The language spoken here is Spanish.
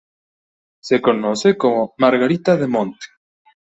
Se conoce como "margarita de monte".